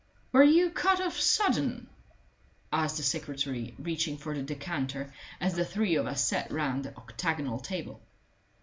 "Were you cut off sudden?" asked the secretary, reaching for the decanter, as the three of us sat round the octagonal table.